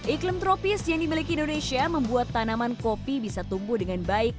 iklim tropis yang dimiliki indonesia membuat tanaman kopi bisa tumbuh dengan baik